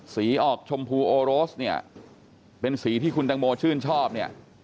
สีออกชมพูโอโรสเนี่ยเป็นสีที่คุณตังโมชื่นชอบเนี่ย